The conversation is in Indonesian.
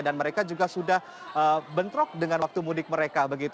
dan mereka juga sudah bentrok dengan waktu mudiknya